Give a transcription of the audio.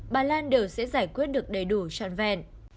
bà lan đều sẽ giải quyết được đầy đủ trọn vẹn